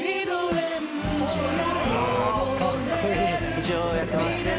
一応やってます。